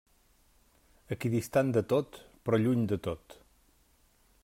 Equidistant de tot, però lluny de tot.